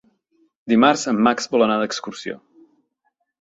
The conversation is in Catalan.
Dimarts en Max vol anar d'excursió.